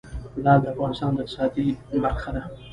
لعل د افغانستان د اقتصاد برخه ده.